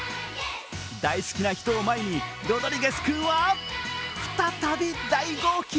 大好きな人を前にロドリゲス君は再び大号泣。